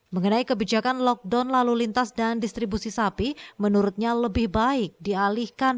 mengenai kebijakan lockdown lalu lintas dan distribusi sapi menurutnya lebih baik dialihkan